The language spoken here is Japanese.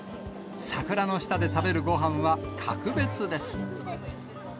桜の下で食べるごはんは格別です。